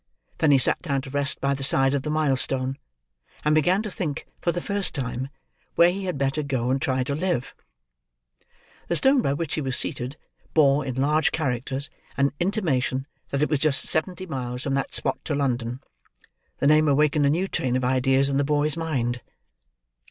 Then he sat down to rest by the side of the milestone, and began to think, for the first time, where he had better go and try to live. The stone by which he was seated, bore, in large characters, an intimation that it was just seventy miles from that spot to London. The name awakened a new train of ideas in the boy's mind.